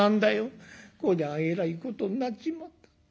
こりゃえらいことになっちまった。